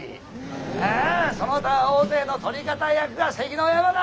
ああその他大勢の捕り方役が関の山だ。